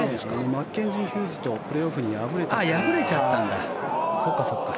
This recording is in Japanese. マッケンジー・ヒューズとプレーオフに敗れたので。